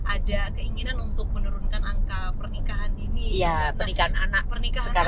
ada keinginan untuk menurunkan angka pernikahan ini ya pernikahan anak anak pernikahan ini juga banyak